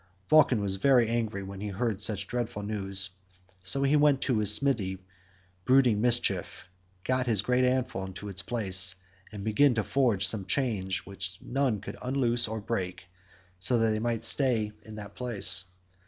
Vulcan was very angry when he heard such dreadful news, so he went to his smithy brooding mischief, got his great anvil into its place, and began to forge some chains which none could either unloose or break, so that they might stay there in that place.